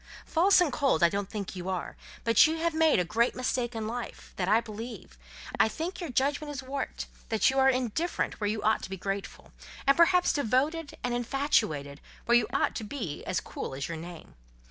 False and cold I don't think you are; but you have made a great mistake in life, that I believe; I think your judgment is warped—that you are indifferent where you ought to be grateful—and perhaps devoted and infatuated, where you ought to be cool as your name.